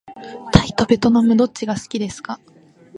タイとべトナムどっちが好きですか。